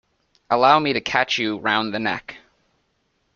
Allow me to catch you round the neck.